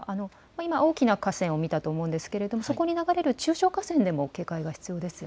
今大きな河川を見たと思うんですがそこに流れる中小河川でも警戒が必要ですか。